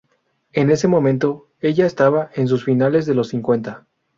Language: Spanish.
En ese momento, ella estaba en sus finales de los cincuenta.